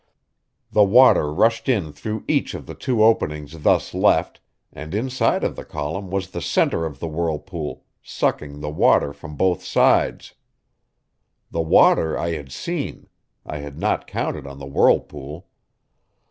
The water rushed in through each of the two openings thus left, and inside of the column was the center of the whirlpool, sucking the water from both sides. The water I had seen; I had not counted on the whirlpool.